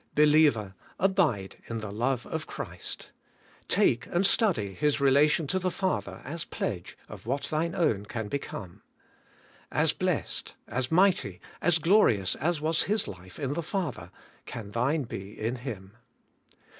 Believer! abide in the love of Christ. Take and study His relation to the Father as pledge of what thine own can become. As blessed, as mighty, as glorious as was His life in the Father, can thine be in Him.